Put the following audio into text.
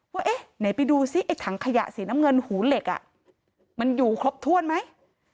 ว่าเอ๊ะไหนไปดูซิไอ้ถังขยะสีน้ำเงินหูเหล็กมันอยู่ครบถ้วนไหม